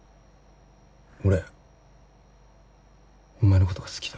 俺お前のことが好きだ。